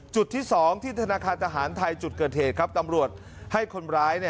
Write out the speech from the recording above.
จุดที่๒ที่ธนาคารทหารไทยจุดเกิดเหตุครับตำรวจให้คนร้าย